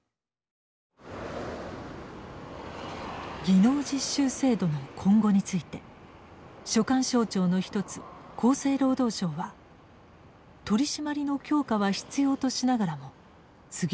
技能実習制度の今後について所管省庁の一つ厚生労働省は取締りの強化は必要としながらも次のように答えました。